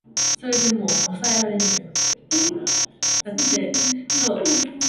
동소문을 향하여 닫는 버스가 먼지를 뿌옇게 피우며 지나친다.